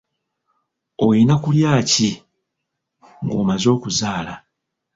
Oyina kulya ki ng'omaze okuzaala?